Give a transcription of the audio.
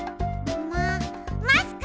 ママスク！